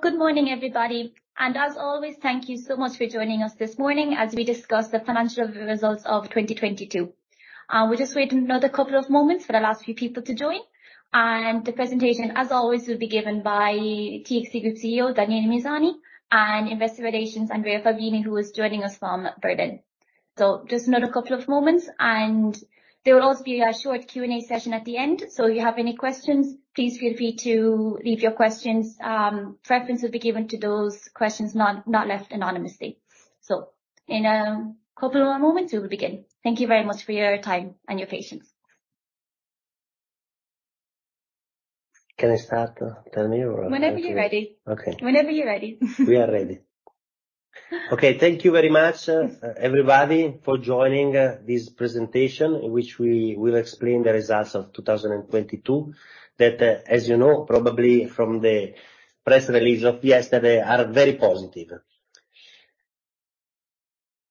Good morning, everybody. As always, thank you so much for joining us this morning as we discuss the financial results of 2022. We'll just wait another couple of moments for the last few people to join. The presentation, as always, will be given by TXT Group CEO, Daniele Misani, and Investor Relations, Andrea Favini, who is joining us from Berlin. Just another couple of moments, and there will also be a short Q&A session at the end. If you have any questions, please feel free to leave your questions. Preference will be given to those questions not left anonymously. In a couple of moments, we will begin. Thank you very much for your time and your patience. Can I start? Tell me. Whenever you're ready. Okay. Whenever you're ready. We are ready. Okay, thank you very much, everybody for joining this presentation in which we will explain the results of 2022, that, as you know, probably from the press release of yesterday, are very positive.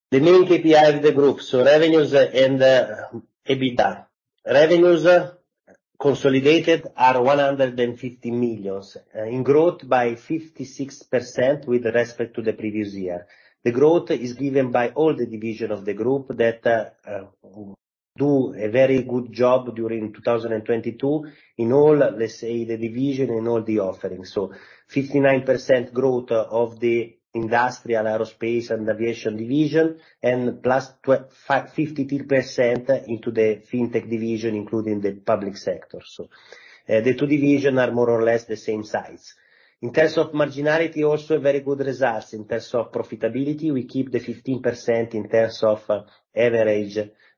The main KPI of the group, revenues and EBITDARevenues consolidated are 150 million in growth by 56% with respect to the previous year. The growth is given by all the division of the group that do a very good job during 2022 in all, let's say, the division and all the offerings. 59% growth of the industrial, aerospace, and aviation division, and plus 53% into the fintech division, including the public sector. The two division are more or less the same size. In terms of marginality, also very good results. In terms of profitability, we keep the 15% in terms of average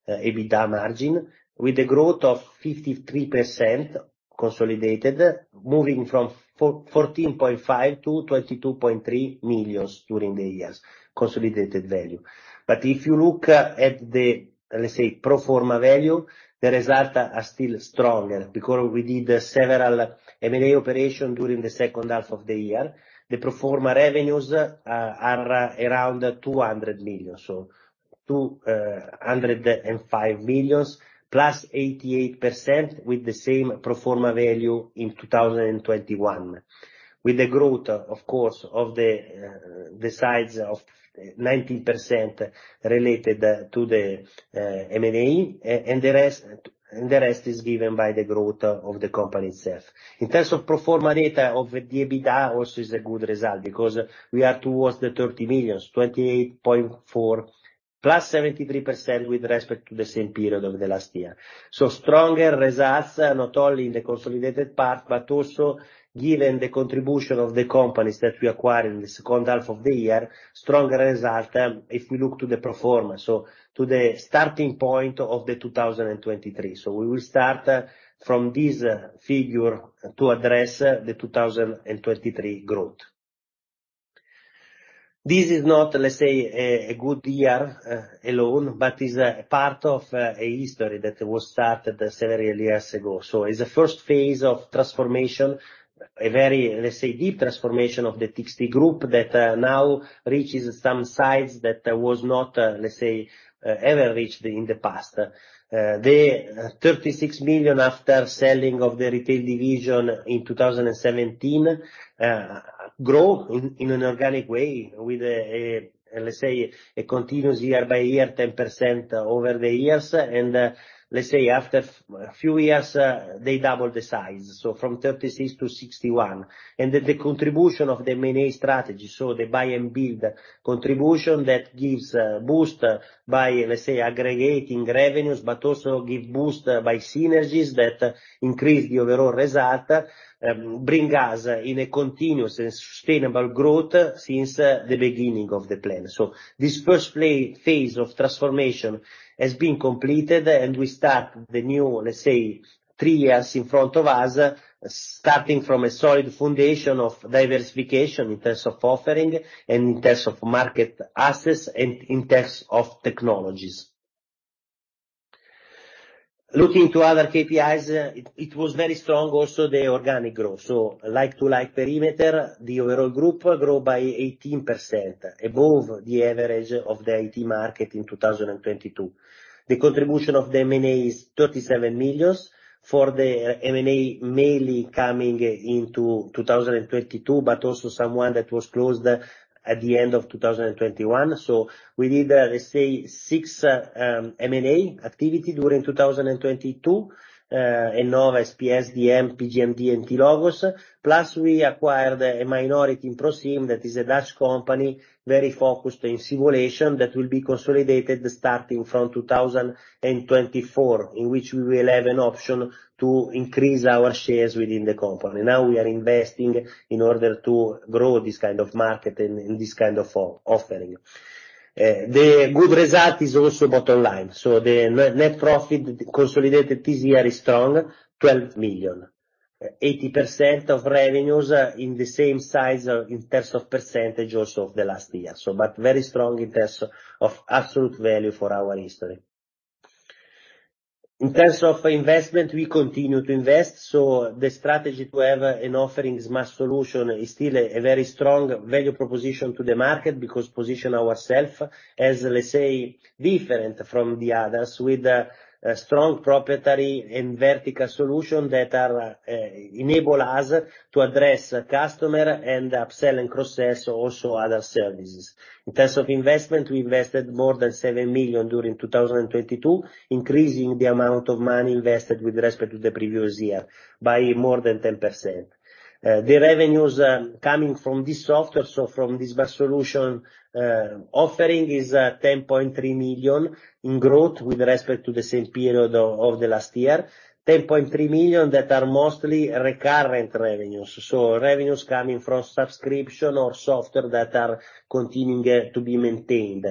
EBITDA margin with a growth of 53% consolidated, moving from 14.5 million to 22.3 million during the years, consolidated value. If you look at the, let's say, pro forma value, the result are still stronger because we did several M&A operation during the second half of the year. The pro forma revenues are around 200 million. 205 million plus 88% with the same pro forma value in 2021. With a growth, of course, of the size of 90% related to the M&A and the rest is given by the growth of the company itself. In terms of pro forma data of the EBITDA also is a good result because we are towards 30 million, 28.4 plus 73% with respect to the same period of the last year. Stronger results not only in the consolidated part, but also given the contribution of the companies that we acquired in the second half of the year, stronger result if we look to the pro forma. To the starting point of 2023. We will start from this figure to address the 2023 growth. This is not, let's say, a good year alone, but is a part of a history that was started several years ago. Is the first phase of transformation, a very, let's say, deep transformation of the TXT Group that now reaches some size that was not, let's say, ever reached in the past. The 36 million after selling of the retail division in 2017, grow in an organic way with a, let's say, a continuous year-over-year 10% over the years. Let's say after few years, they double the size, so from 36 million to 61 million. The contribution of the M&A strategy, so the buy and build contribution that gives boost by, let's say, aggregating revenues, but also give boost by synergies that increase the overall result, bring us in a continuous and sustainable growth since the beginning of the plan. This first phase of transformation has been completed, and we start the new, let's say, 3 years in front of us, starting from a solid foundation of diversification in terms of offering and in terms of market access and in terms of technologies. Looking to other KPIs, it was very strong also the organic growth. Like to like perimeter, the overall group grow by 18% above the average of the IT market in 2022. The contribution of the M&A is 37 million for the M&A mainly coming into 2022, but also some one that was closed at the end of 2021. We did, let's say, 6 M&A activity during 2022, Ennova, SPS, DM Consulting, PGMD, and TLogos. We acquired a minority in Prosim, that is a Dutch company, very focused in simulation that will be consolidated starting from 2024, in which we will have an option to increase our shares within the company. We are investing in order to grow this kind of market and this kind of offering. The good result is also bottom line. The net profit consolidated this year is strong, 12 million. 80% of revenues in the same size in terms of percentage also of the last year. Very strong in terms of absolute value for our history. In terms of investment, we continue to invest. The strategy to have an offerings Smart Solutions is still a very strong value proposition to the market because position ourself as, let's say, different from the others with a strong proprietary and vertical solution that enable us to address customer and upselling process also other services. In terms of investment, we invested more than 7 million during 2022, increasing the amount of money invested with respect to the previous year by more than 10%. The revenues coming from this software, so from this Smart Solutions offering, is 10.3 million in growth with respect to the same period of the last year. 10.3 million that are mostly recurrent revenues, so revenues coming from subscription or software that are continuing to be maintained.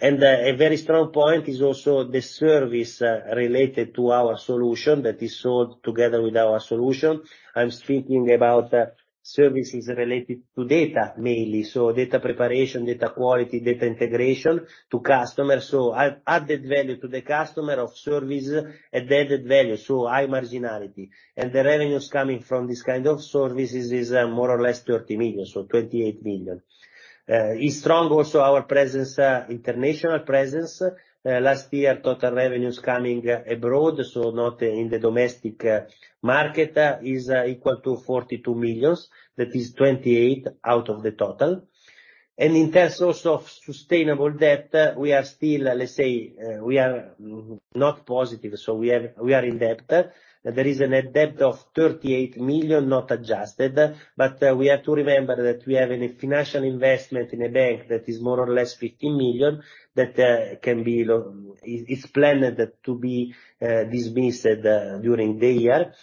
A very strong point is also the service related to our solution that is sold together with our solution. I'm speaking about services related to data mainly. Data preparation, data quality, data integration to customers. Added value to the customer of service, added value, so high marginality. The revenues coming from this kind of services is more or less 30 million. 28 million. Is strong also our presence, international presence. Last year, total revenues coming abroad, so not in the domestic market, is equal to 42 million. That is 28 out of the total. In terms also of sustainable debt, we are still, let's say, we are not positive, so we are in debt. There is a net debt of 38 million, not adjusted, but we have to remember that we have a financial investment in a bank that is more or less 15 million, that can be is planned to be dismissed during the year.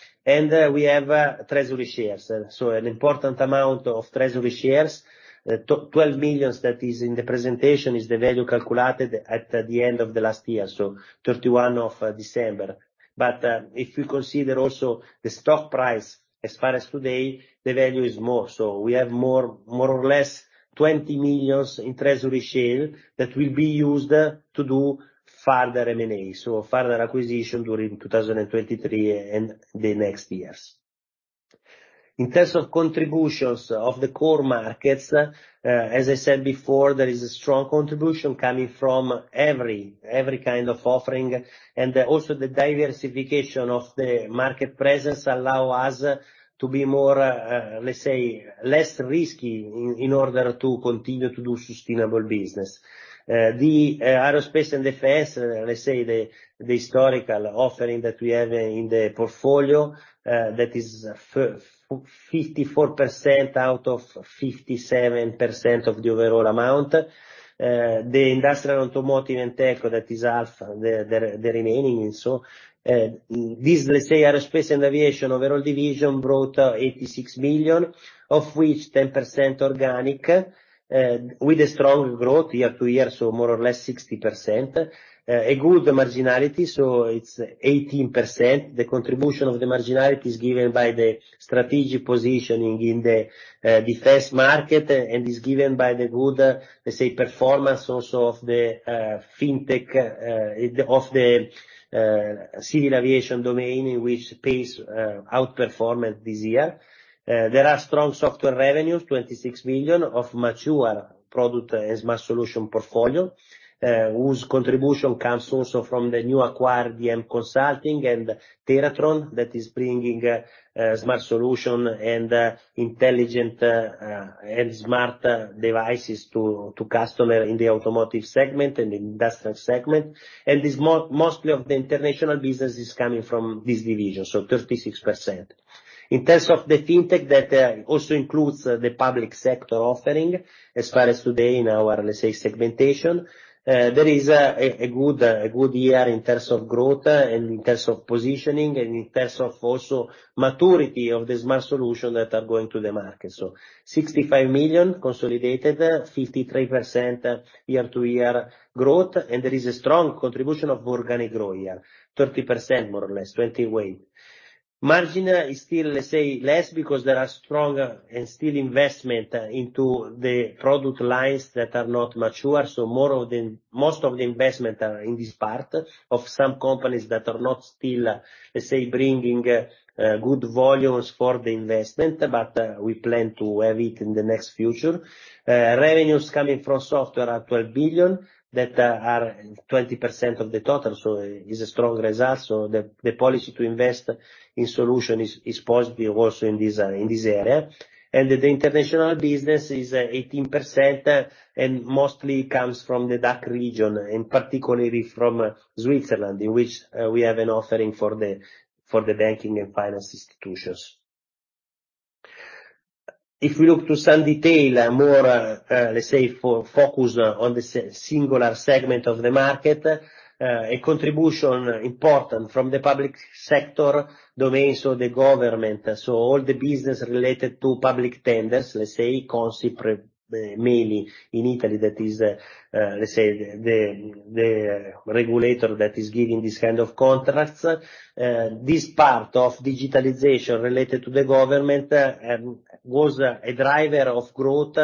We have treasury shares. An important amount of treasury shares. 12 million that is in the presentation is the value calculated at the end of the last year, so 31 of December. If you consider also the stock price as far as today, the value is more. We have more or less 20 million in treasury share that will be used to do further M&A, so further acquisition during 2023 and the next years. In terms of contributions of the core markets, as I said before, there is a strong contribution coming from every kind of offering, and also the diversification of the market presence allow us to be more, let's say less risky in order to continue to do sustainable business. The aerospace and defense, let's say the historical offering that we have in the portfolio, that is 54% out of 57% of the overall amount. The industrial, automotive, and tech, that is half the remaining. This, let's say, aerospace and aviation overall division brought 86 million, of which 10% organic, with a strong growth year-over-year, so more or less 60%. A good marginality, so it's 18%. The contribution of the marginality is given by the strategic positioning in the defense market and is given by the good, let's say, performance also of the fintech, of the civil aviation domain in which PACE outperformance this year. There are strong software revenues, 26 million, of mature product and Smart Solutions portfolio, whose contribution comes also from the new acquired DM Consulting and TeraTron that is bringing smart solution and intelligent and smart devices to customer in the automotive segment and industrial segment. Mostly of the international business is coming from this division, so 36%. In terms of the FinTech that also includes the public sector offering as far as today in our, let's say, segmentation, there is a good year in terms of growth and in terms of positioning and in terms of also maturity of the Smart Solutions that are going to the market. 65 million consolidated, 53% year-to-year growth. There is a strong contribution of organic growth, yeah. 30% more or less, 28%. Margin is still, let's say, less because there are strong and still investment into the product lines that are not mature. Most of the investment are in this part of some companies that are not still, let's say, bringing good volumes for the investment, we plan to have it in the next future. Revenues coming from software are 12 billion. That are 20% of the total, is a strong result. The policy to invest in solution is positive also in this area. The international business is 18%, and mostly comes from the DACH region, and particularly from Switzerland, in which we have an offering for the banking and finance institutions. If we look to some detail more, let's say for focus on the singular segment of the market, a contribution important from the public sector domain, so the government. All the business related to public tenders, let's say, Consip, mainly in Italy, that is, let's say the regulator that is giving this kind of contracts. This part of digitalization related to the government, was a driver of growth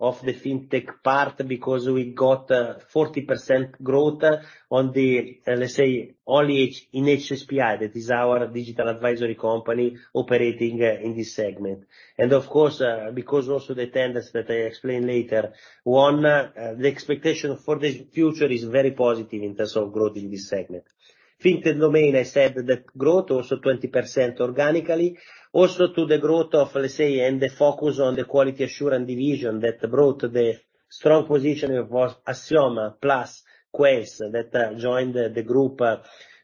of the fintech part because we got 40% growth on the, let's say only in HSPI, that is our digital advisory company operating in this segment. Of course, because also the tenders that I explain later. One, the expectation for the future is very positive in terms of growth in this segment. Fintech domain, I said that growth also 20% organically. Also to the growth of, let's say, and the focus on the quality assurance division that brought the strong positioning of Assioma plus Quence that, joined the group,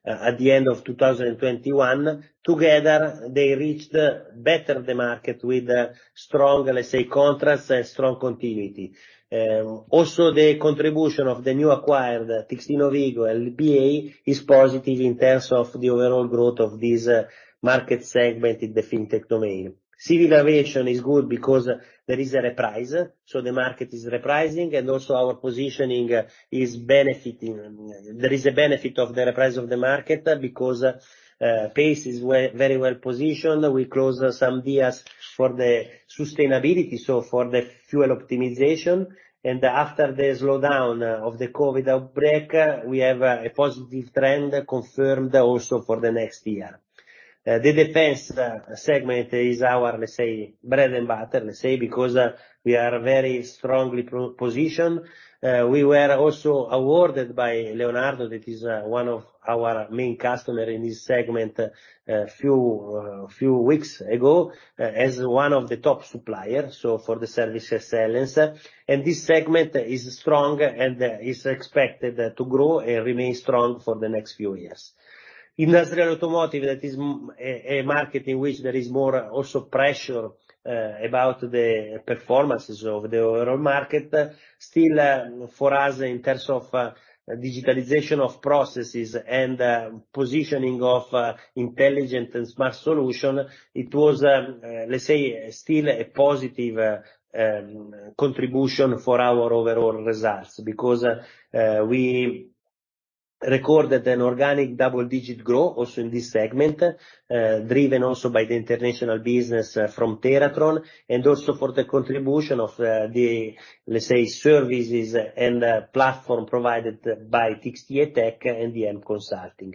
at the end of 2021. Together, they reached better the market with strong, let's say, contracts and strong continuity. Also the contribution of the new acquired TXT Novigo and LBA is positive in terms of the overall growth of this market segment in the fintech domain. Civil aviation is good because there is a reprise. The market is repricing, and also our positioning is benefiting. There is a benefit of the reprise of the market because PACE is very well positioned. We closed some deals for the sustainability, so for the fuel optimization. After the slowdown of the COVID outbreak, we have a positive trend confirmed also for the next year. The defense segment is our, let's say, bread and butter, let's say, because we are very strongly positioned. We were also awarded by Leonardo, that is one of our main customer in this segment a few weeks ago, as one of the top supplier, so for the service excellence. This segment is strong and is expected to grow and remain strong for the next few years. Industrial automotive, that is a market in which there is more also pressure about the performances of the overall market. Still, for us, in terms of digitalization of processes and positioning of intelligent and smart solution, it was, let's say, still a positive contribution for our overall results. Because we recorded an organic double-digit growth also in this segment, driven also by the international business from TeraTron, and also for the contribution of the, let's say, services and platform provided by TXT E-tech and DM Consulting.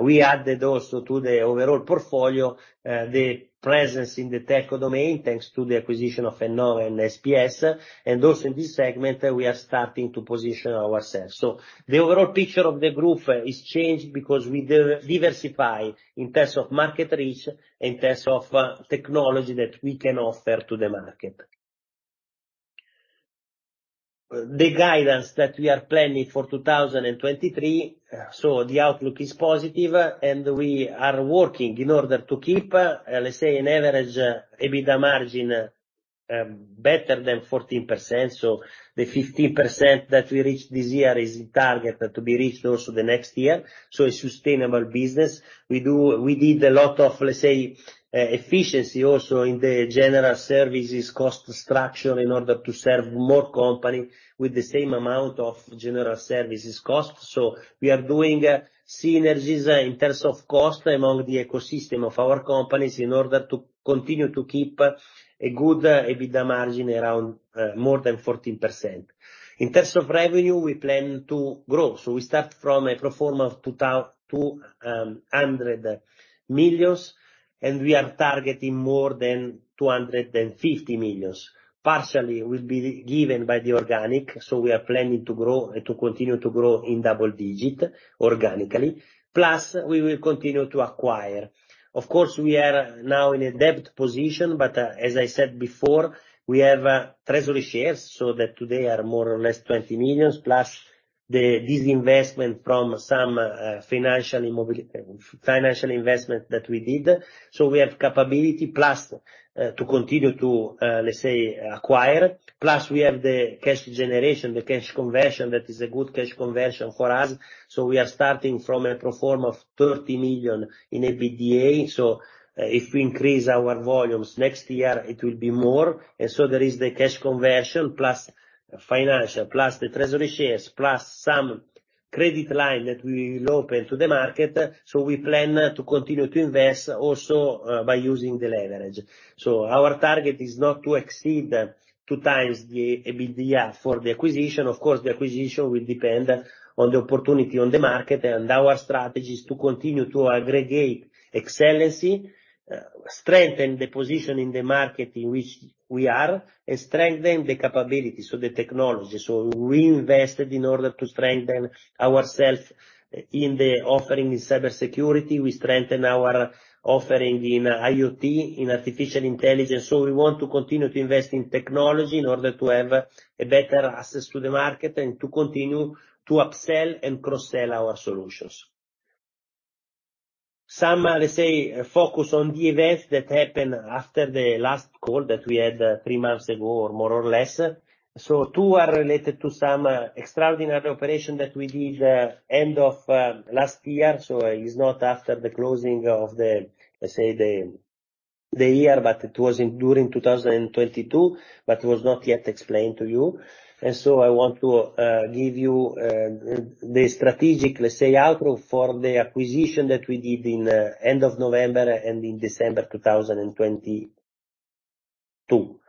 We added also to the overall portfolio the presence in the tech domain, thanks to the acquisition of Ennova and SPS. Also in this segment, we are starting to position ourselves. The overall picture of the group is changed because we diversify in terms of market reach, in terms of technology that we can offer to the market. The guidance that we are planning for 2023, the outlook is positive, and we are working in order to keep, let's say, an average EBITDA margin better than 14%. The 15% that we reached this year is a target to be reached also the next year. A sustainable business. We did a lot of, let's say, efficiency also in the general services cost structure in order to serve more company with the same amount of general services cost. We are doing synergies in terms of cost among the ecosystem of our companies in order to continue to keep a good EBITDA margin around more than 14%. In terms of revenue, we plan to grow. We start from a pro forma of 200 million, and we are targeting more than 250 million. Partially will be given by the organic, we are planning to continue to grow in double-digit organically. Plus, we will continue to acquire. Of course, we are now in a debt position, as I said before, we have treasury shares, that today are more or less 20 million, plus the disinvestment from some financial investment that we did. We have capability plus, to continue to, let's say, acquire. Plus, we have the cash generation, the cash conversion. That is a good cash conversion for us. We are starting from a pro forma of 30 million in EBITDA. If we increase our volumes next year, it will be more. There is the cash conversion, plus financial, plus the treasury shares, plus some credit line that we will open to the market. We plan to continue to invest also by using the leverage. Our target is not to exceed 2 times the EBITDA for the acquisition. Of course, the acquisition will depend on the opportunity on the market, and our strategy is to continue to aggregate excellency, strengthen the position in the market in which we are, and strengthen the capabilities, so the technology. We invested in order to strengthen ourself in the offering in cybersecurity. We strengthen our offering in IoT, in artificial intelligence. We want to continue to invest in technology in order to have a better access to the market and to continue to upsell and cross-sell our solutions. Some, let's say, focus on the events that happened after the last call that we had three months ago, or more or less. Two are related to some extraordinary operation that we did end of last year, so it's not after the closing of the, let's say, the year, but it was during 2022, but it was not yet explained to you. I want to give you the strategic, let's say, outlook for the acquisition that we did in end of November and in December 2022.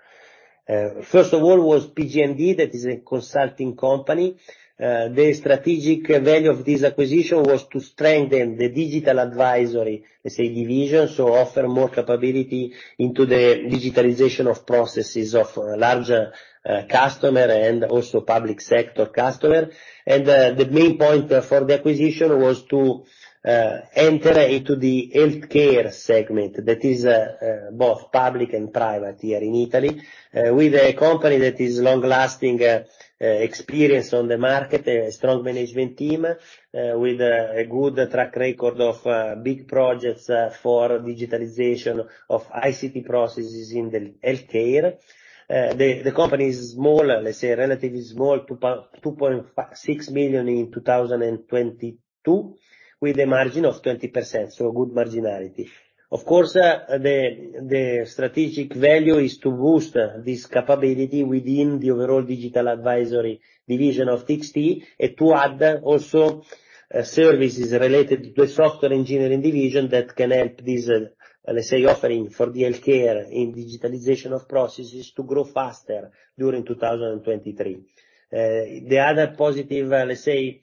First of all was PGMD, that is a consulting company. The strategic value of this acquisition was to strengthen the digital advisory, let's say, division. Offer more capability into the digitalization of processes of larger customer and also public sector customer. The main point for the acquisition was to enter into the healthcare segment that is both public and private here in Italy. With a company that is long-lasting experience on the market, a strong management team, with a good track record of big projects for digitalization of ICT processes in the healthcare. The company is small, let's say relatively small, 2.6 million in 2022, with a margin of 20%, so good marginality. Of course, the strategic value is to boost this capability within the overall digital advisory division of TXT Group, and to add also services related to a software engineering division that can help this, let's say, offering for the healthcare in digitalization of processes to grow faster during 2023. The other positive, let's say,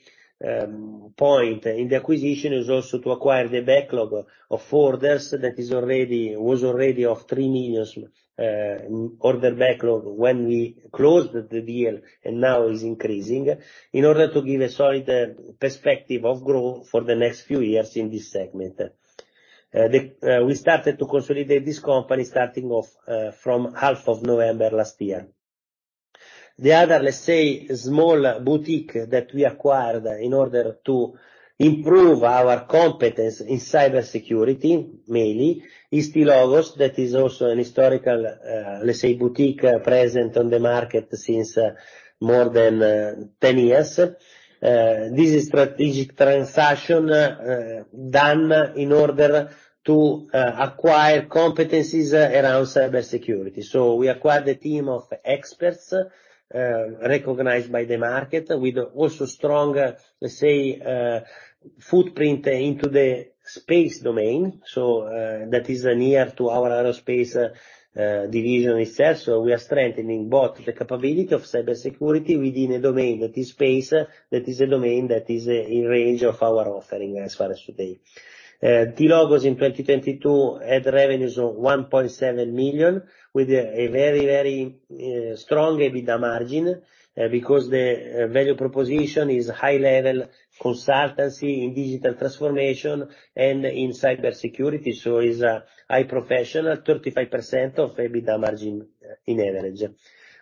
point in the acquisition is also to acquire the backlog of orders that was already of 3 million order backlog when we closed the deal, and now is increasing. In order to give a solid perspective of growth for the next few years in this segment. The we started to consolidate this company starting off from half of November last year. The other, let's say, small boutique that we acquired in order to improve our competence in cybersecurity, mainly, is TLogos. That is also an historical, let's say, boutique present on the market since more than 10 years. This strategic transaction done in order to acquire competencies around cybersecurity. We acquired a team of experts recognized by the market with also strong, let's say, footprint into the space domain. That is near to our aerospace division itself. We are strengthening both the capability of cybersecurity within a domain that is space, that is a domain that is in range of our offering, as far as today. TLogos in 2022 had revenues of 1.7 million, with a very, very strong EBITDA margin because the value proposition is high-level consultancy in digital transformation and in cybersecurity. Is high professional, 35% of EBITDA margin in average.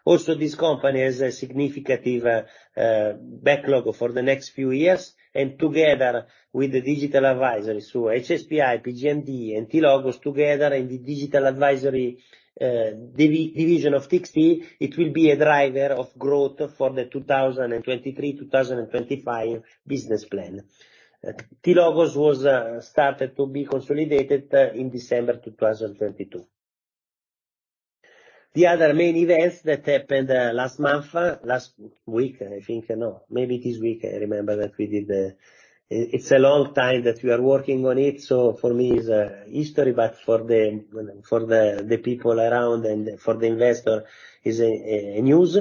Also, this company has a significant backlog for the next few years. Together with the digital advisory, so HSPI, PGMD, and TLogos together in the digital advisory division of TXT, it will be a driver of growth for the 2023-2025 business plan. TLogos was started to be consolidated in December 2022. The other main events that happened last month, last week, I think. No, maybe this week, I remember that we did. It's a long time that we are working on it, so for me is history, but for the, for the people around and for the investor is a news.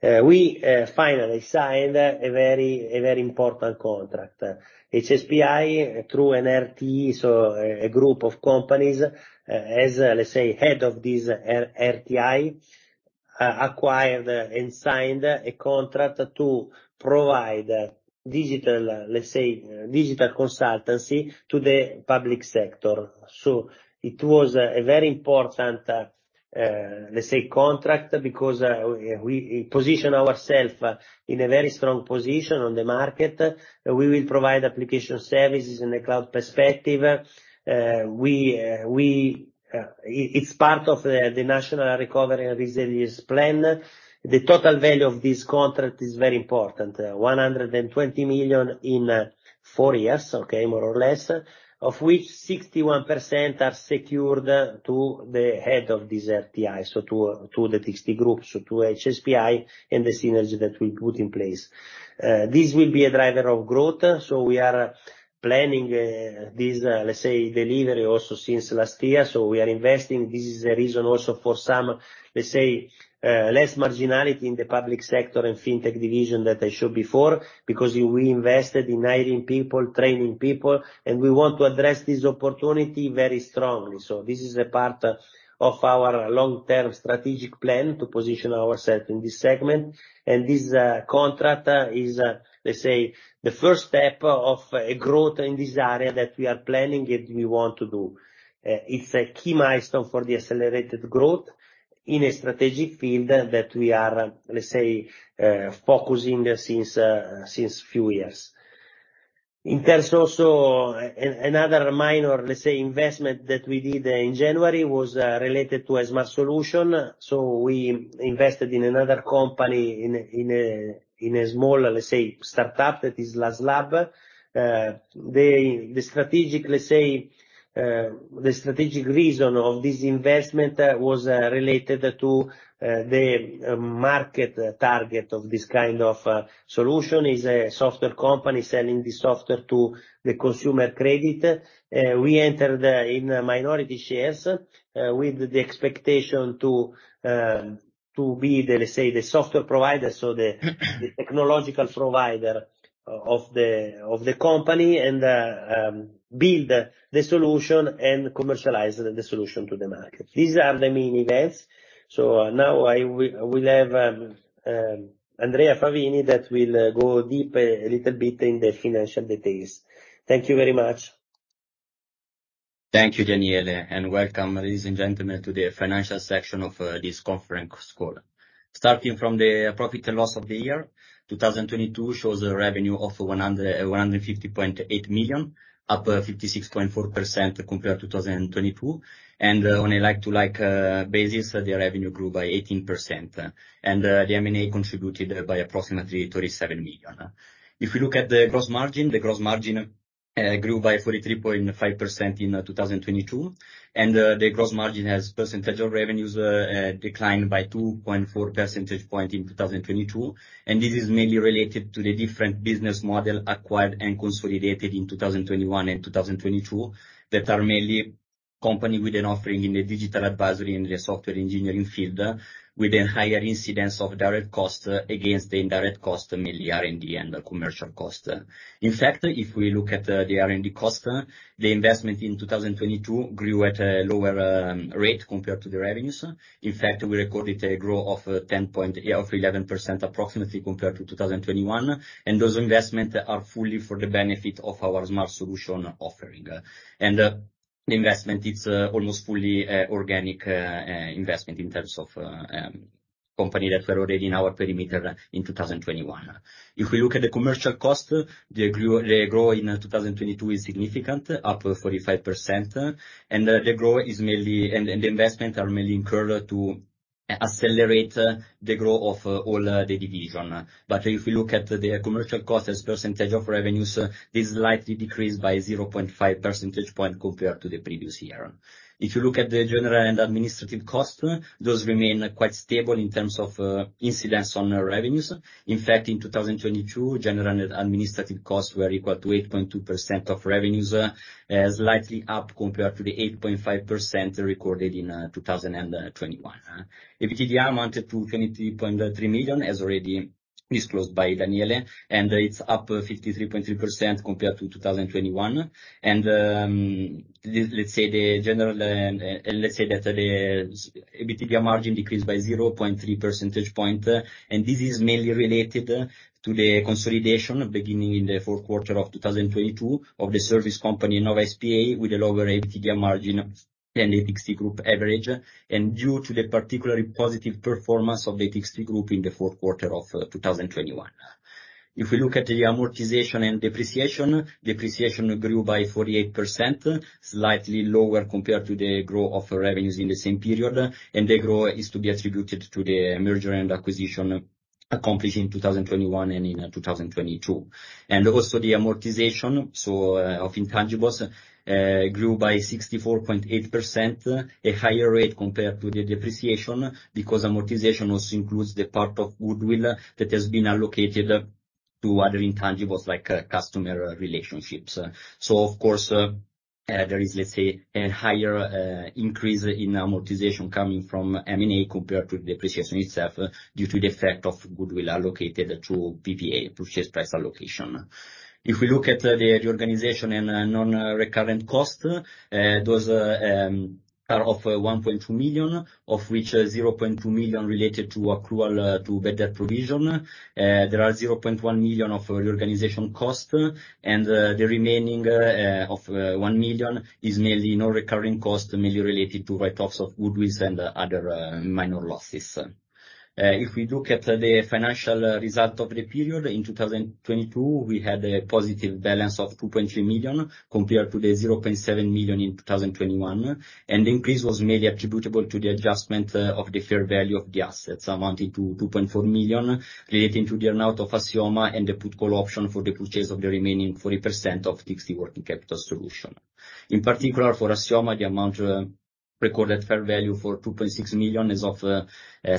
We finally signed a very important contract. HSPI through an RTI, so a group of companies, as, let's say, head of this RTI, acquired and signed a contract to provide digital, let's say, digital consultancy to the public sector. It was a very important, let's say, contract, because we position ourself in a very strong position on the market. We will provide application services in the cloud perspective. We. It's part of the National Recovery and Resilience Plan. The total value of this contract is very important, 120 million in four years, okay, more or less, of which 61% are secured to the head of this RTI. To the TXT Group, so to HSPI and the synergy that we put in place. This will be a driver of growth, we are planning, this, let's say, delivery also since last year. We are investing. This is the reason also for some, let's say, less marginality in the public sector and FinTech division that I showed before, because we invested in hiring people, training people, and we want to address this opportunity very strongly. This is a part of our long-term strategic plan to position ourselves in this segment. This contract is, let's say, the first step of a growth in this area that we are planning and we want to do. It's a key milestone for the accelerated growth in a strategic field that we are, let's say, focusing since few years. In terms also, another minor, let's say, investment that we did in January was related to a Smart Solution. We invested in another company in a small, let's say, startup, that is LasLab. The strategic, let's say, the strategic reason of this investment was related to the market target of this kind of solution. Is a software company selling the software to the consumer credit. We entered in minority shares with the expectation to be the, let's say, the software provider, so the technological provider of the company and build the solution and commercialize the solution to the market. These are the main events. Now we'll have Andrea Favini, that will go deeper a little bit in the financial details. Thank you very much. Thank you, Daniele. Welcome, ladies and gentlemen, to the financial section of this conference call. Starting from the profit and loss of the year, 2022 shows a revenue of 150.8 million, up 56.4% compared to 2022. On a like-to-like basis, the revenue grew by 18%, and the M&A contributed by approximately 37 million. If you look at the gross margin, the gross margin grew by 43.5% in 2022, and the gross margin as percentage of revenues declined by 2.4 percentage point in 2022. This is mainly related to the different business model acquired and consolidated in 2021 and 2022, that are mainly company with an offering in the digital advisory and the software engineering field, with a higher incidence of direct costs against the indirect cost, mainly R&D and commercial cost. If we look at the R&D cost, the investment in 2022 grew at a lower rate compared to the revenues. We recorded a growth of 11% approximately compared to 2021. Those investment are fully for the benefit of our Smart Solutions offering. The investment, it's almost fully organic investment in terms of company that were already in our perimeter in 2021. If we look at the commercial cost, the growth in 2022 is significant, up 45%. The growth is mainly... the investment are mainly incurred to accelerate the growth of all the division. If you look at the commercial cost as percentage of revenues, this slightly decreased by 0.5 percentage point compared to the previous year. If you look at the general and administrative cost, those remain quite stable in terms of incidence on revenues. In fact, in 2022, general and administrative costs were equal to 8.2% of revenues, slightly up compared to the 8.5% recorded in 2021. EBITDA amounted to 23.3 million, as already disclosed by Daniele, it's up 53.3% compared to 2021. let's say that the EBITDA margin decreased by 0.3 percentage point, and this is mainly related to the consolidation beginning in the fourth quarter of 2022 of the service company, Ennova SpA, with a lower EBITDA margin than the TXT Group average, and due to the particularly positive performance of the TXT Group in the fourth quarter of 2021. If we look at the amortization and depreciation grew by 48%, slightly lower compared to the growth of revenues in the same period, and the growth is to be attributed to the merger and acquisition accomplished in 2021 and in 2022. Also the amortization, of intangibles, grew by 64.8%, a higher rate compared to the depreciation, because amortization also includes the part of goodwill that has been allocated to other intangibles like customer relationships. Of course, there is, let's say, a higher increase in amortization coming from M&A compared to depreciation itself due to the effect of goodwill allocated through PPA, purchase price allocation. If we look at the reorganization and non-recurrent costs, those are of 1.2 million, of which 0.2 million related to accrual to bad debt provision. There are 0.1 million of reorganization cost, and the remaining of 1 million is mainly non-reoccurring cost, mainly related to write-offs of goodwill and other minor losses. If we look at the financial result of the period, in 2022, we had a positive balance of 2.3 million, compared to 0.7 million in 2021. The increase was mainly attributable to the adjustment of the fair value of the assets amounting to 2.4 million, relating to the earn-out of Assioma and the put call option for the purchase of the remaining 40% of TXT Working Capital Solutions. In particular, for Assioma, the amount recorded fair value for 2.6 million as of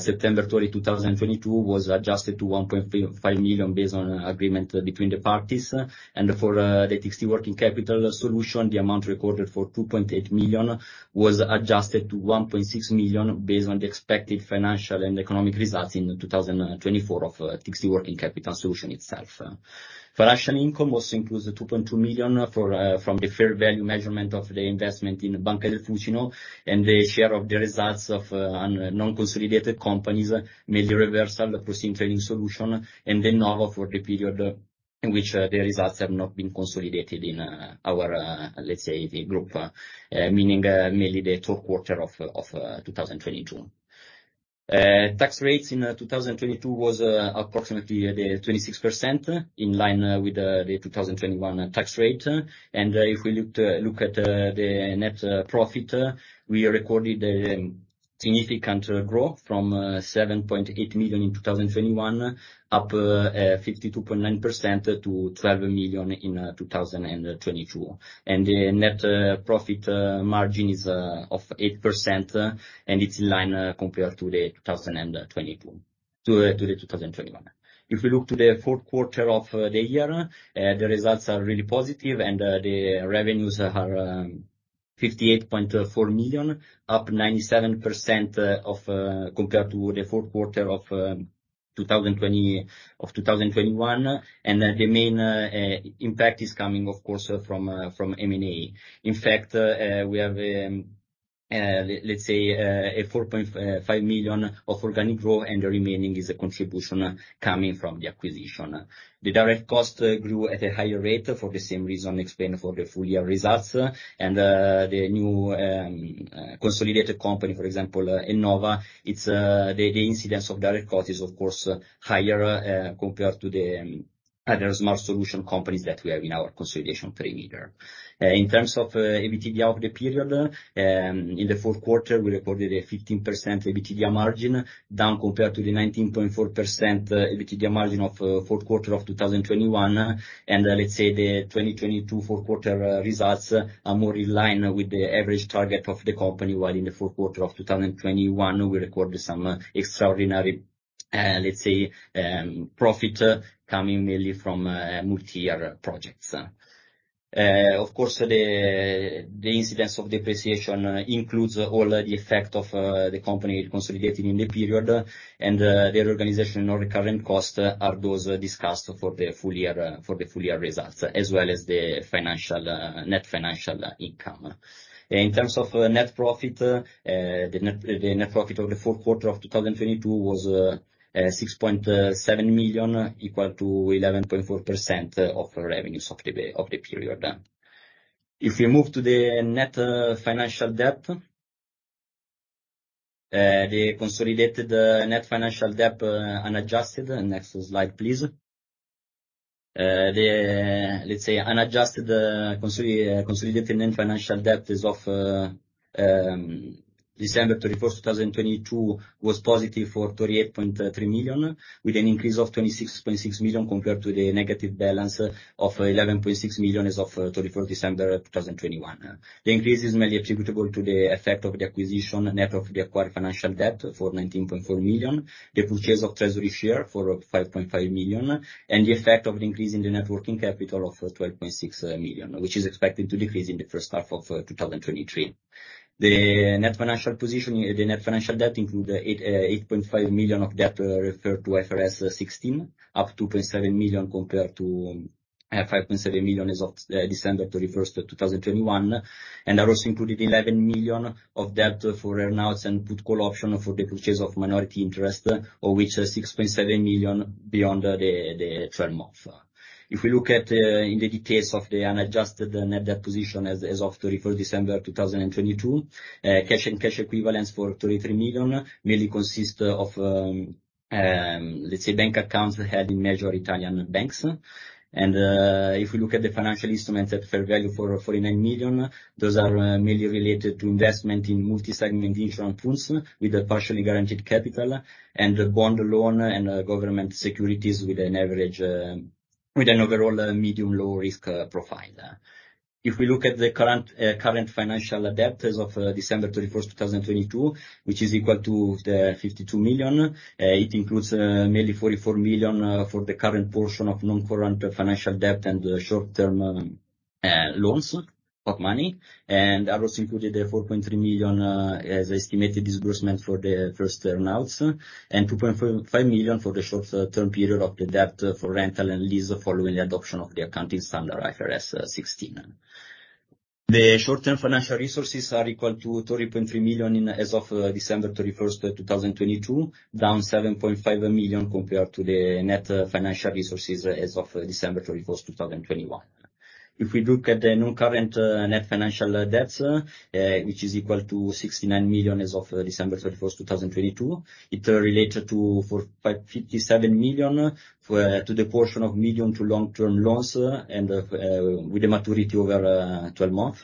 September 30, 2022, was adjusted to 1.5 million based on agreement between the parties. For the TXT Working Capital Solutions, the amount recorded for 2.8 million was adjusted to 1.6 million based on the expected financial and economic results in 2024 of TXT Working Capital Solutions itself. Financial income also includes the 2.2 million from the fair value measurement of the investment in Banca del Fucino and the share of the results of non-consolidated companies, mainly Reversal, ProSim Training Solutions, and Innova for the period in which the results have not been consolidated in our, let's say, the group, meaning mainly the third quarter of 2022. Tax rates in 2022 was approximately at 26%, in line with the 2021 tax rate. If we look at the net profit, we recorded significant growth from 7.8 million in 2021, up 52.9% to 12 million in 2022. The net profit margin is of 8%, and it's in line compared to the 2021. If you look to the fourth quarter of the year, the results are really positive, and the revenues are 58.4 million, up 97% compared to the fourth quarter of 2021. The main impact is coming, of course, from M&A. In fact, we have a 4.5 million of organic growth, and the remaining is a contribution coming from the acquisition. The direct cost grew at a higher rate for the same reason explained for the full year results. The new consolidated company, for example, Innova, it's the incidence of direct cost is of course higher, compared to the other Smart Solutions companies that we have in our consolidation perimeter. In terms of EBITDA of the period, in the fourth quarter, we recorded a 15% EBITDA margin, down compared to the 19.4% EBITDA margin of fourth quarter of 2021. Let's say the 2022 fourth quarter results are more in line with the average target of the company, while in the fourth quarter of 2021 we recorded some extraordinary, let's say, profit coming mainly from multi-year projects. Of course, the incidence of depreciation includes all the effect of the company consolidated in the period, and the organizational recurrent costs are those discussed for the full year, for the full year results, as well as the financial net financial income. In terms of net profit, the net profit of the fourth quarter of 2022 was 6.7 million, equal to 11.4% of revenues of the period. If we move to the net financial debt, the consolidated net financial debt, unadjusted... Next slide, please. The, let's say unadjusted consolidated net financial debt as of December 31st, 2022 was positive for 38.3 million, with an increase of 26.6 million compared to the negative balance of 11.6 million as of 31st December, 2021. The increase is mainly attributable to the effect of the acquisition net of the acquired financial debt for 19.4 million, the purchase of treasury share for 5.5 million, and the effect of an increase in the net working capital of 12.6 million, which is expected to decrease in the first half of 2023. The net financial position, the net financial debt include 8.5 million of debt referred to IFRS 16, up 2.7 million compared to 5.7 million as of December 31, 2021, and are also included 11 million of debt for earnouts and put call option for the purchase of minority interest, of which are 6.7 million beyond the term month. If we look at in the details of the unadjusted net debt position as of December 31, 2022, cash and cash equivalents for 33 million mainly consist of let's say bank accounts held in major Italian banks. If we look at the financial instruments at fair value for 49 million, those are mainly related to investment in multi-segmentation tools with a partially guaranteed capital and bond loan and government securities with an average, with an overall medium low risk profile. If we look at the current financial debt as of December 31, 2022, which is equal to 52 million, it includes mainly 44 million for the current portion of noncurrent financial debt and short-term loans of money, and are also included 4.3 million as estimated disbursement for the first earnouts, and 2.5 million for the short-term period of the debt for rental and lease following the adoption of the accounting standard IFRS 16. The short-term financial resources are equal to 30.3 million as of December 31, 2022, down 7.5 million compared to the net financial resources as of December 31, 2021. If we look at the non-current net financial debts, which is equal to 69 million as of December 31, 2022, it related to for 57 million to the portion of medium to long-term loans with the maturity over 12 months.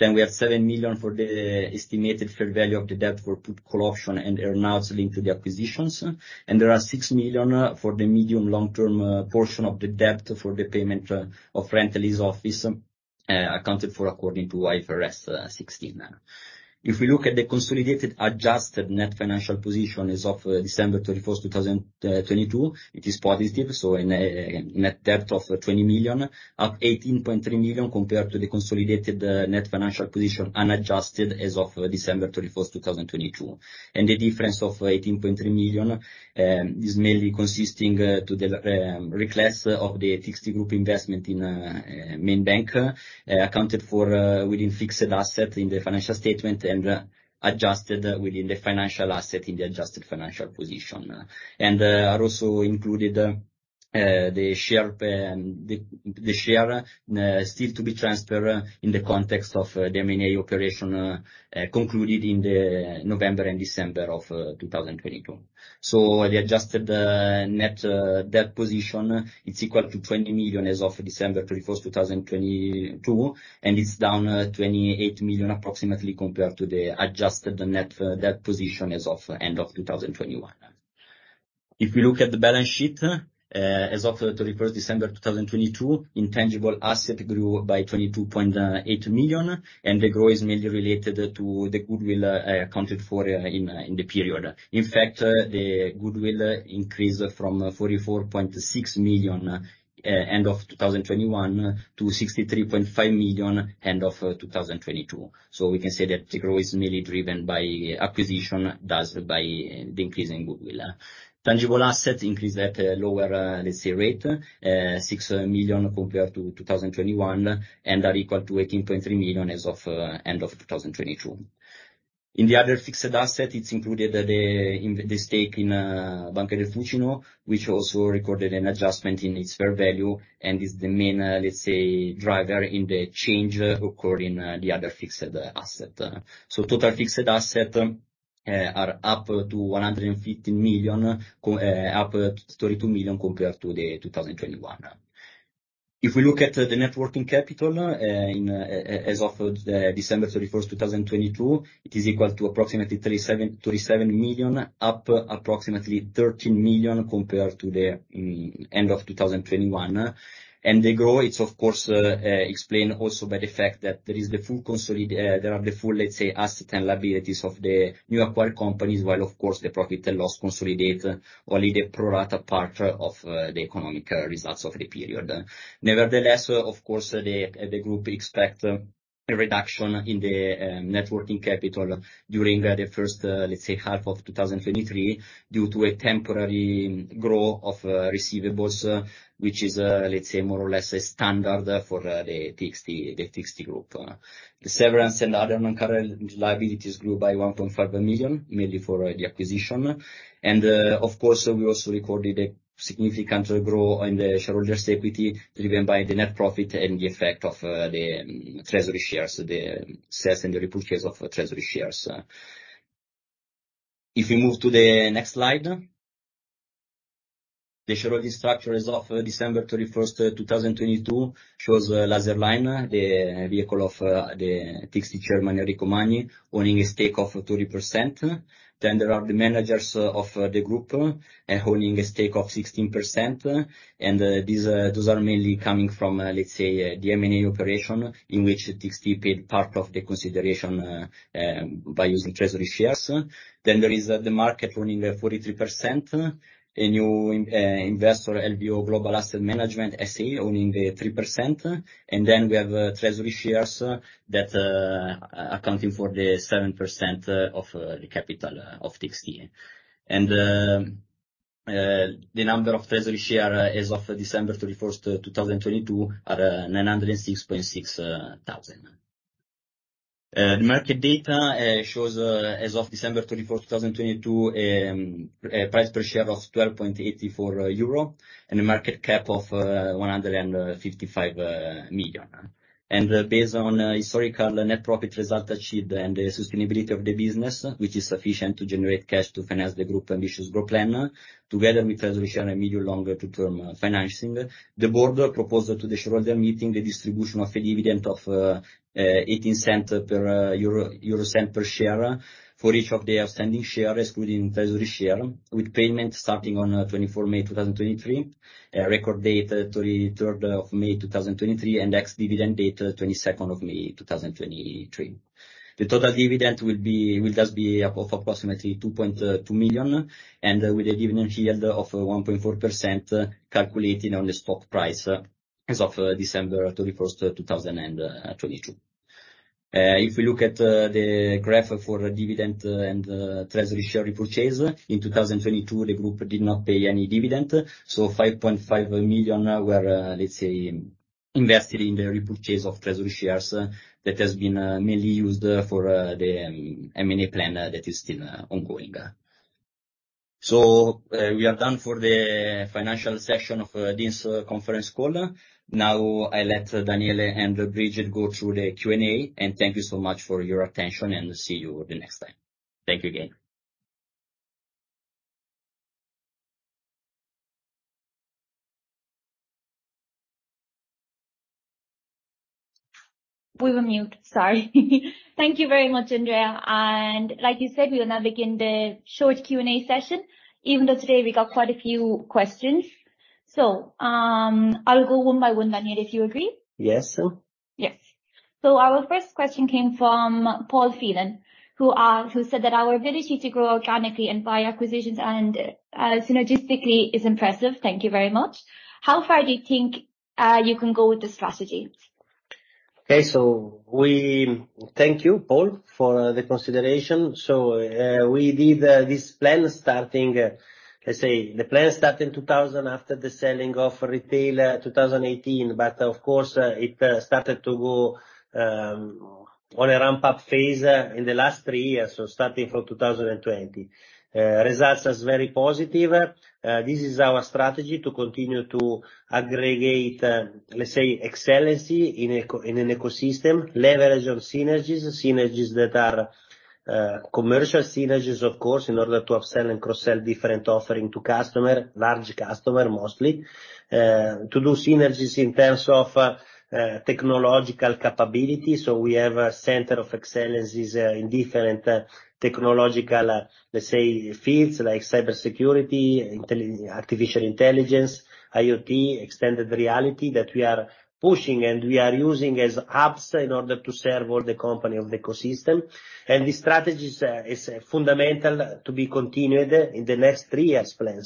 We have 7 million for the estimated fair value of the debt for put call option and earnouts linked to the acquisitions. There are 6 million for the medium long-term portion of the debt for the payment of rental lease office accounted for according to IFRS 16. If we look at the consolidated adjusted net financial position as of December 31, 2022, it is positive, so a net debt of 20 million, up 18.3 million compared to the consolidated net financial position unadjusted as of December 31, 2022. The difference of 18.3 million is mainly consisting to the reclass of the TXT Group investment in main bank accounted for within fixed asset in the financial statement and adjusted within the financial asset in the adjusted financial position. Also included, the share still to be transferred in the context of the M&A operation concluded in the November and December of 2022. The adjusted net debt position, it's equal to 20 million as of December 31, 2022, and it's down 28 million approximately compared to the adjusted net debt position as of end of 2021. If you look at the balance sheet, as of 31st December, 2022, intangible asset grew by 22.8 million, and the growth is mainly related to the goodwill accounted for in the period. In fact, the goodwill increased from 44.6 million end of 2021 to 63.5 million end of 2022. We can say that the growth is mainly driven by acquisition thus by the increase in goodwill. Tangible assets increased at a lower, let's say rate, 6 million compared to 2021 and are equal to 18.3 million as of end of 2022. In the other fixed asset, it's included the, in the stake in Banca del Fucino, which also recorded an adjustment in its fair value and is the main, let's say, driver in the change occurring, the other fixed asset. Total fixed asset are up to 150 million up to 32 million compared to the 2021. If we look at the net working capital, in as of December 31, 2022, it is equal to approximately 37 million, up approximately 13 million compared to the end of 2021. The growth it's of course explained also by the fact that there is the full, let's say, assets and liabilities of the new acquired companies, while of course, the profit and loss consolidate only the pro rata part of the economic results of the period. Nevertheless, of course, the group expect a reduction in the net working capital during the first, let's say half of 2023 due to a temporary growth of receivables. Which is, let's say more or less a standard for the TXT Group. The severance and other non-current liabilities grew by 1.5 million, mainly for the acquisition. Of course, we also recorded a significant growth in the shareholders' equity, driven by the net profit and the effect of the treasury shares, the sales and the repurchase of treasury shares. If we move to the next slide. The shareholder structure as of December 31st, 2022 shows Laserline, the vehicle of the TXT chairman Enrico Magni, owning a stake of 30%. There are the managers of the group owning a stake of 16%. These, those are mainly coming from the M&A operation in which TXT paid part of the consideration by using treasury shares. There is the market owning 43%. A new investor, LBO Global Asset Management SA, owning 3%. We have treasury shares that are accounting for the 7% of the capital of TXT. The number of treasury share as of December 31, 2022 are 906.6 thousand. The market data shows as of December 31, 2022, a price per share of 12.84 euro and a market cap of 155 million. Based on historical net profit result achieved and the sustainability of the business, which is sufficient to generate cash to finance the Group ambitious growth plan, together with treasury share and medium longer to term financing, the board proposed to the shareholder meeting the distribution of a dividend of 0.18 per share for each of the outstanding shares, excluding treasury share, with payment starting on May 24, 2023. Record date 33rd of May, 2023, and ex-dividend date 22nd of May, 2023. The total dividend will thus be of approximately 2.2 million, with a dividend yield of 1.4%, calculated on the stock price as of December 31st, 2022. If we look at the graph for dividend and treasury share repurchase. In 2022, the group did not pay any dividend. 5.5 million were, let's say, invested in the repurchase of treasury shares that has been mainly used for the M&A plan that is still ongoing. We are done for the financial section of this conference call. Now, I let Daniele and Brigid go through the Q&A. Thank you so much for your attention, and see you the next time. Thank you again. We were mute. Sorry. Thank you very much, Andrea. Like you said, we will now begin the short Q&A session, even though today we got quite a few questions. I'll go one by one, Daniele, if you agree. Yes. Yes. Our first question came from Paul Phelan, who said that our ability to grow organically and via acquisitions and synergistically is impressive. Thank you very much. How far do you think you can go with the strategy? Okay. Thank you, Paul, for the consideration. We did this plan starting, let's say the plan started in 2000 after the selling of retail, 2018, but of course, it started to go. On a ramp up phase, in the last 3 years, so starting from 2020. Results is very positive. This is our strategy to continue to aggregate, let's say, excellency in an ecosystem, leverage on synergies. Synergies that are commercial synergies, of course, in order to upsell and cross-sell different offering to customer, large customer mostly. To do synergies in terms of technological capability. We have a center of excellences in different technological, let's say fields, like cybersecurity, artificial intelligence, IoT, extended reality that we are pushing and we are using as apps in order to serve all the company of the ecosystem. This strategy is fundamental to be continued in the next 3 years plan.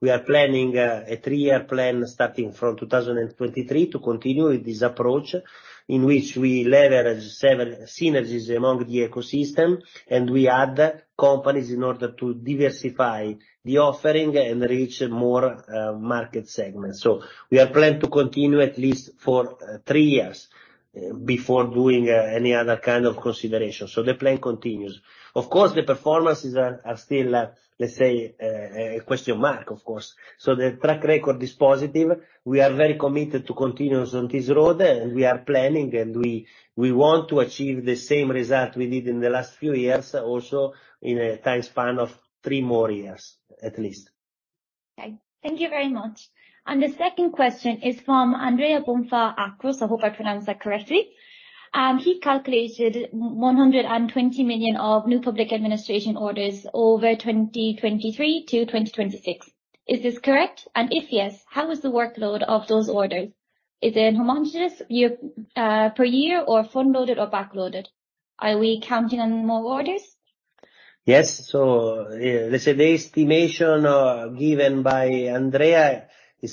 We are planning a 3-year plan starting from 2023 to continue with this approach in which we leverage synergies among the ecosystem, and we add companies in order to diversify the offering and reach more market segments. We are planning to continue at least for 3 years before doing any other kind of consideration. The plan continues. Of course, the performances are still, let's say, a question mark, of course. The track record is positive. We are very committed to continue on this road, and we are planning, and we want to achieve the same result we did in the last few years also in a time span of 3 more years, at least. Okay. Thank you very much. The second question is from Andrea Bonfà. I hope I pronounced that correctly. He calculated 120 million of new public administration orders over 2023-2026. Is this correct? If yes, how is the workload of those orders? Is it homogenous year per year or front-loaded or back-loaded? Are we counting on more orders? Yes. Let's say the estimation given by Andrea is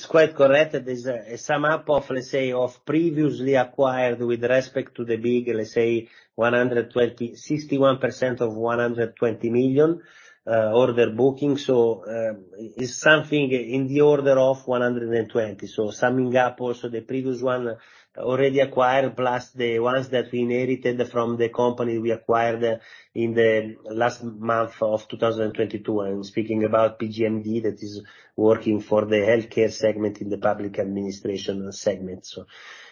quite correct. There's a sum up of, let's say, of previously acquired with respect to the big, let's say 120... 61% of 120 million order booking. Is something in the order of 120. Summing up also the previous one already acquired, plus the ones that we inherited from the company we acquired in the last month of 2022, and speaking about PGMD, that is working for the healthcare segment in the public administration segment.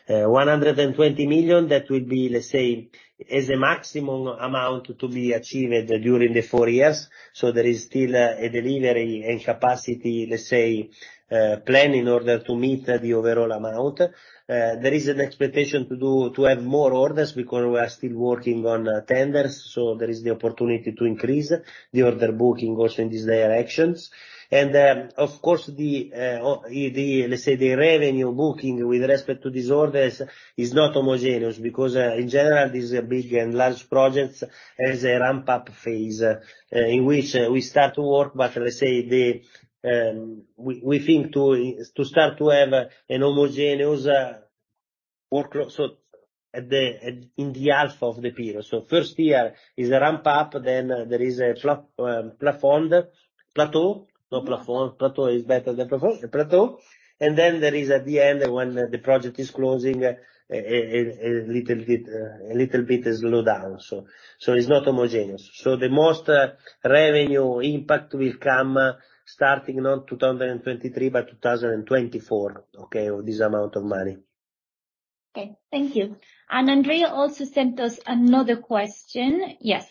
120 million, that will be, let's say, is a maximum amount to be achieved during the four years. There is still a delivery and capacity, let's say, plan in order to meet the overall amount. There is an expectation to have more orders because we are still working on tenders, so there is the opportunity to increase the order booking also in these directions. Of course, the, let's say, the revenue booking with respect to these orders is not homogeneous because in general, these are big and large projects, has a ramp up phase in which we start to work, but let's say the... We think to start to have an homogeneous workload, so in the half of the period. First year is a ramp up, then there is a plafond, plateau. No plafond. Plateau is better than plafond. Plateau. There is at the end, when the project is closing, a little bit slow down. It's not homogeneous. The most revenue impact will come starting not 2023, but 2024, okay? This amount of money. Okay. Thank you. Andrea also sent us another question. Yes.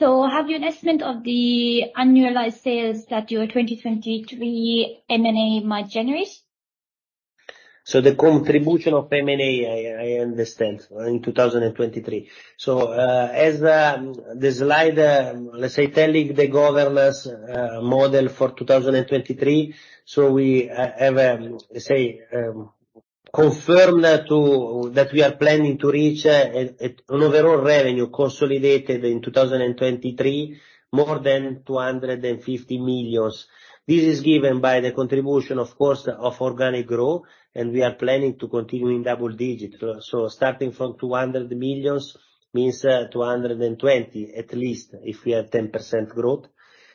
Have you an estimate of the annualized sales that your 2023 M&A might generate? The contribution of M&A, I understand. In 2023. As the slide telling the governance model for 2023, we have confirmed that we are planning to reach an overall revenue consolidated in 2023, more than 250 million. This is given by the contribution, of course, of organic growth, and we are planning to continue in double digits. Starting from 200 million means 220 at least, if we have 10% growth.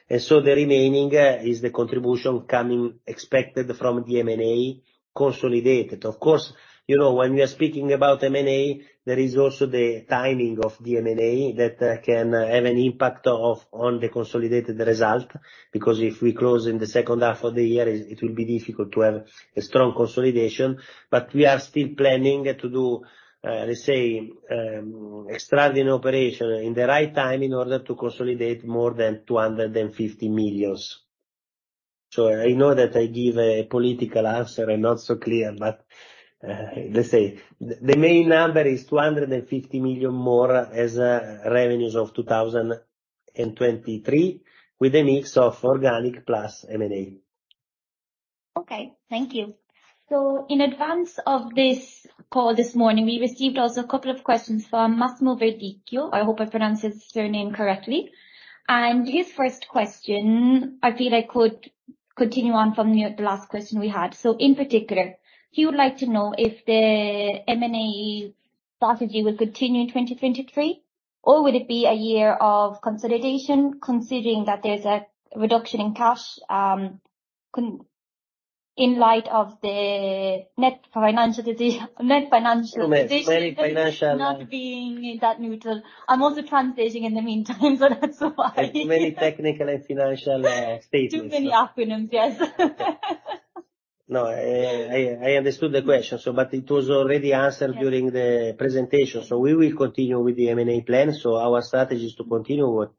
The remaining is the contribution coming expected from the M&A consolidated. Of course, you know, when we are speaking about M&A, there is also the timing of the M&A that can have an impact on the consolidated result. If we close in the second half of the year, it will be difficult to have a strong consolidation. We are still planning to do, let's say, extraordinary operation in the right time in order to consolidate more than 250 million. I know that I give a political answer and not so clear, let's say the main number is 250 million more as revenues of 2023 with a mix of organic plus M&A. Okay. Thank you. In advance of this call this morning, we received also a couple of questions from Massimo Vecchio. I hope I pronounced his surname correctly. His first question, I feel I could continue on from the last question we had. In particular, he would like to know if the M&A strategy will continue in 2023 or would it be a year of consolidation considering that there's a reduction in cash, in light of the net financial position. Too many financial. Not being that neutral. I'm also translating in the meantime, so that's why. Too many technical and financial statements. Too many acronyms, yes. No. I understood the question, it was already answered during the presentation. We will continue with the M&A plan. Our strategy is to continue with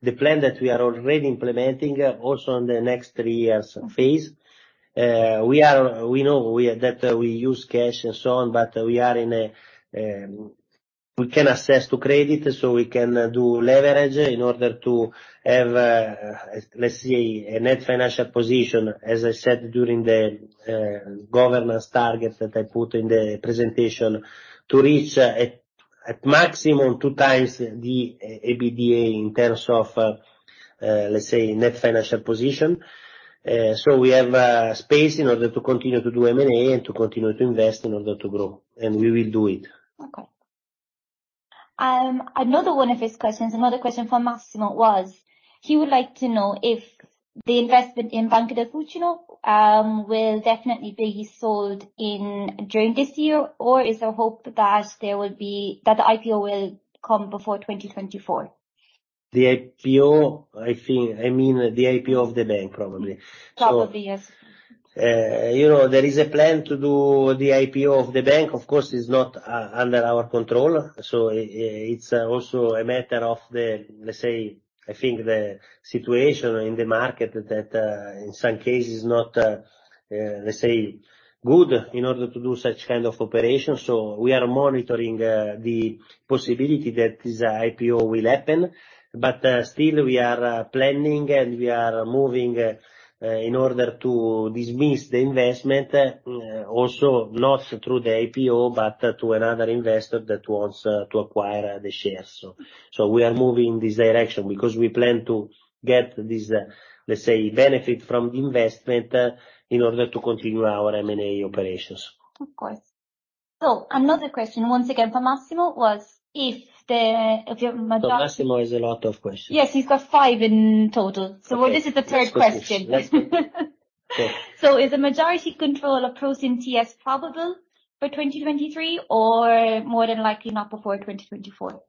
the plan that we are already implementing, also in the next 3 years phase. We use cash and so on, but we are in a, we can access to credit, so we can do leverage in order to have, let's say a net financial position, as I said, during the governance targets that I put in the presentation to reach at maximum 2 times the EBITDA in terms of, let's say net financial position. We have space in order to continue to do M&A and to continue to invest in order to grow. We will do it. Another one of his questions, another question from Massimo was, he would like to know if the investment in Banca del Fucino will definitely be sold in during this year, or is there hope that the IPO will come before 2024? The IPO, I think... I mean, the IPO of the bank probably. Probably, yes. You know, there is a plan to do the IPO of the bank. Of course, it's not under our control. It's also a matter of the, let's say, I think the situation in the market that in some cases is not, let's say good in order to do such kind of operations. We are monitoring the possibility that this IPO will happen. Still we are planning, and we are moving in order to dismiss the investment, also not through the IPO, but to another investor that wants to acquire the shares. We are moving this direction because we plan to get this, let's say, benefit from investment in order to continue our M&A operations. Of course. Another question, once again from Massimo, was If your major- Massimo has a lot of questions. Yes, he's got five in total. Okay. This is the third question. Let's go. Is the majority control of ProSim-TS probable by 2023 or more than likely not before 2024?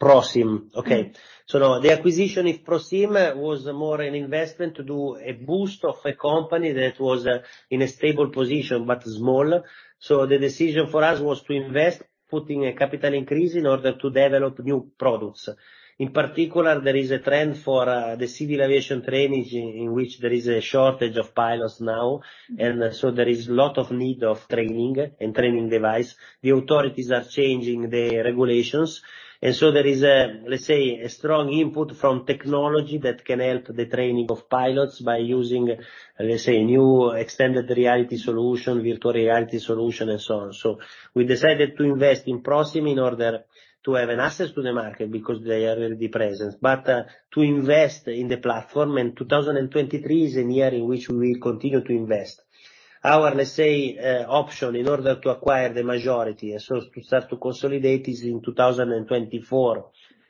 ProSim. Okay. Mm-hmm. No, the acquisition of ProSim was more an investment to do a boost of a company that was in a stable position but small. The decision for us was to invest, putting a capital increase in order to develop new products. In particular, there is a trend for the civil aviation training in which there is a shortage of pilots now. Mm-hmm. There is lot of need of training and training device. The authorities are changing the regulations. There is a, let's say, a strong input from technology that can help the training of pilots by using, let's say, new extended reality solution, virtual reality solution, and so on. We decided to invest in ProSim in order to have an access to the market because they are already present, but, to invest in the platform, and 2023 is a year in which we will continue to invest. Our, let's say, option in order to acquire the majority, so to start to consolidate is in 2024,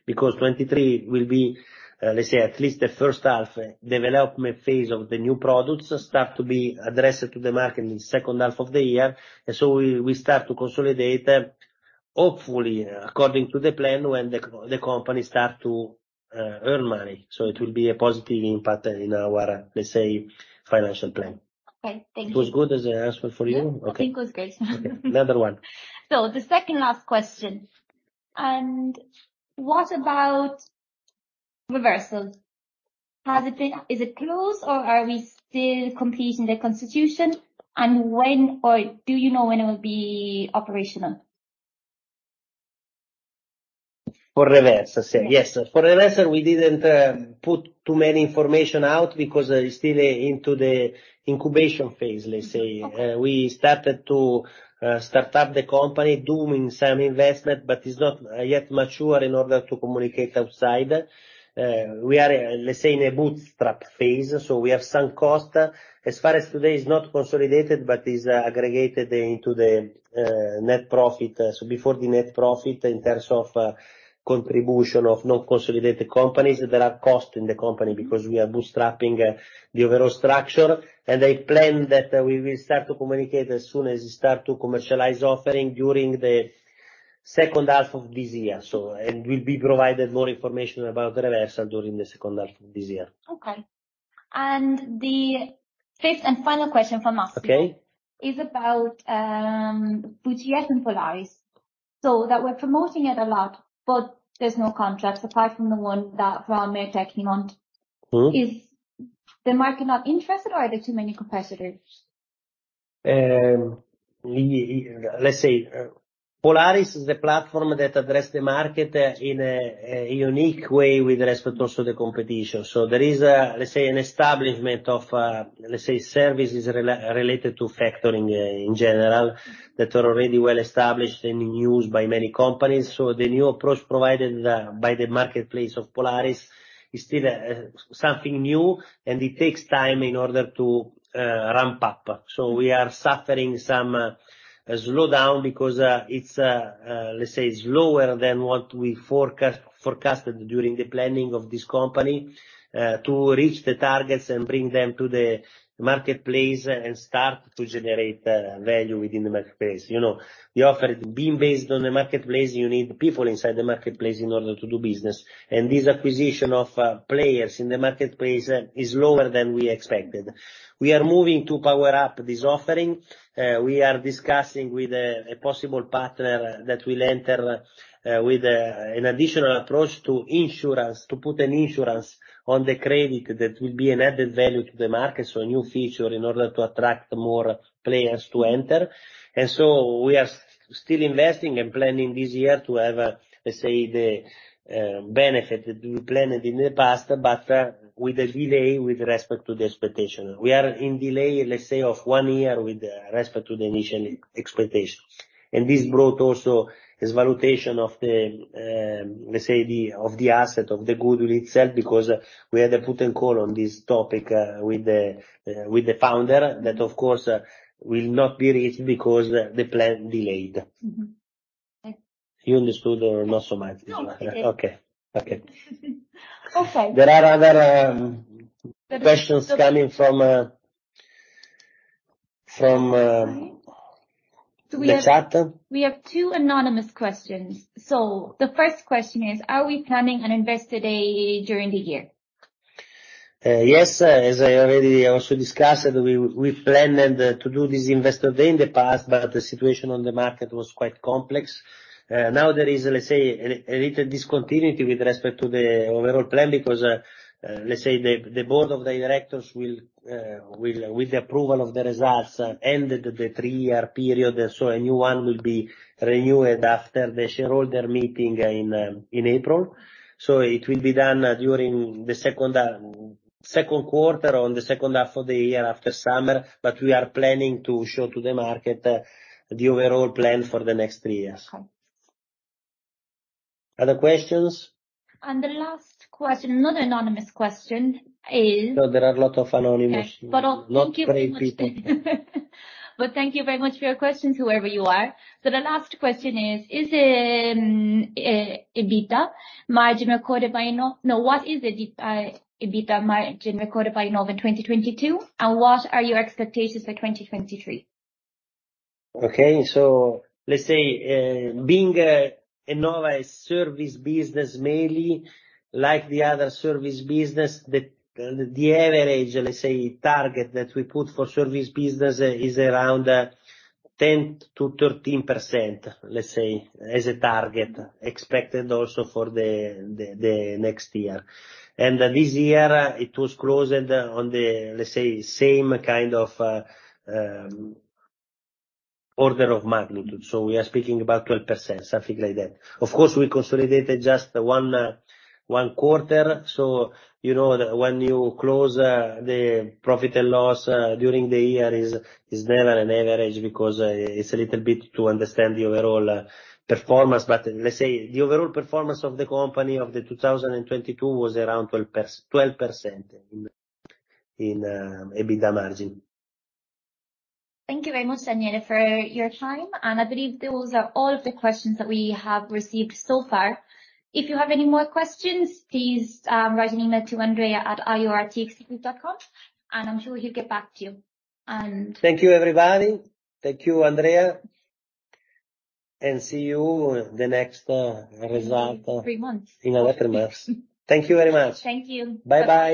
because 2023 will be, let's say, at least the first half development phase of the new products start to be addressed to the market in the second half of the year. We start to consolidate, hopefully, according to the plan, when the company start to earn money. It will be a positive impact in our, let's say, financial plan. Okay. Thank you. It was good as an answer for you? Yeah. Okay. I think it was great. Okay. Another one. The second last question. What about Reversal? Is it closed or are we still completing the constitution? Do you know when it will be operational? For Reversal, yes. For Reversals, we didn't put too many information out because it's still into the incubation phase, let's say. Okay. We started to start up the company, doing some investment, but it's not yet mature in order to communicate outside. We are, let's say, in a bootstrap phase. We have some cost. As far as today is not consolidated but is aggregated into the net profit. Before the net profit in terms of contribution of non-consolidated companies, there are costs in the company because we are bootstrapping the overall structure. I plan that we will start to communicate as soon as we start to commercialize offering during the second half of this year. We'll be provided more information about Reversal during the second half of this year. Okay. The fifth and final question from Massimo- Okay is about, Beucare Polaris. We're promoting it a lot, but there's no contract apart from the one that Valmetech signed. Mm-hmm. Is the market not interested or are there too many competitors? Let's say, Polaris is the platform that address the market in a unique way with respect also the competition. There is a, let's say, an establishment of, services related to factoring in general that are already well established and in use by many companies. The new approach provided by the marketplace of Polaris is still something new, and it takes time in order to ramp up. We are suffering some slowdown because it's slower than what we forecasted during the planning of this company. To reach the targets and bring them to the marketplace and start to generate value within the marketplace. You know, the offer is being based on the marketplace, you need people inside the marketplace in order to do business. This acquisition of players in the marketplace is lower than we expected. We are moving to power up this offering. We are discussing with a possible partner that will enter with an additional approach to insurance, to put an insurance on the credit that will be an added value to the market, a new feature in order to attract more players to enter. We are still investing and planning this year to have, let's say, the benefit that we planned in the past, but with a delay with respect to the expectation. We are in delay, let's say, of one year with respect to the initial expectations. This brought also this valuation of the, let's say, of the asset, of the goodwill itself, because we had to put a call on this topic with the founder that, of course, will not be reached because the plan delayed. Mm-hmm. Okay. You understood or not so much? No, completely. Okay. Okay. Okay. There are other questions coming from the chat. We have two anonymous questions. The first question is, are we planning an Investor Day during the year? Yes. As I already also discussed, we planned to do this Investor Day in the past. The situation on the market was quite complex. Now there is, let's say, a little discontinuity with respect to the overall plan because, let's say the board of directors will, with the approval of the results, end the three-year period. A new one will be renewed after the shareholder meeting in April. It will be done during the second quarter or in the second half of the year after summer. We are planning to show to the market the overall plan for the next three years. Okay. Other questions? The last question, another anonymous question. There are a lot of anonymous. Okay. Thank you very much. Not brave people. Thank you very much for your questions, whoever you are. The last question is what is the EBITDA margin recorded by Innova in 2022? What are your expectations for 2023? Okay. Let's say, being Innova is service business mainly, like the other service business, the average, let's say, target that we put for service business is around 10%-13%, let's say, as a target expected also for the next year. This year, it was closed on the, let's say, same kind of, order of magnitude. We are speaking about 12%, something like that. Of course, we consolidated just one quarter, so, you know, when you close, the profit and loss, during the year is never an average because, it's a little bit to understand the overall, performance. Let's say the overall performance of the company of 2022 was around 12% in EBITDA margin. Thank you very much, Daniele, for your time. I believe those are all of the questions that we have received so far. If you have any more questions, please, write an email to Andrea at iortexecutive.com, and I'm sure he'll get back to you. Thank you, everybody. Thank you, Andrea. See you the next. 3 months. In another month. Thank you very much. Thank you. Bye bye.